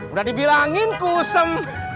udah dibilangin kusam